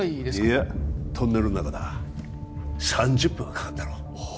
いやトンネルの中だ３０分はかかるだろうは